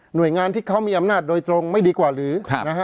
โดยงานที่เขามีอำนาจโดยตรงไม่ดีกว่าหรือนะฮะ